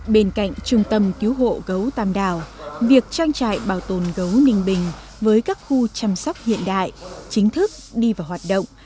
bên cạnh trung tâm cứu hộ gấu tam đảo việc trang trại bảo tồn gấu ninh bình với các khu chăm sóc hiện đại chính thức đi vào hoạt động